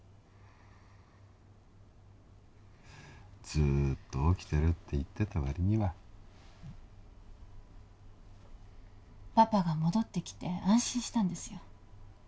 ずっと起きてるって言ってた割にはパパが戻ってきて安心したんですよ